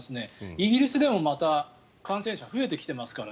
イギリスでもまた感染者が増えてきていますから。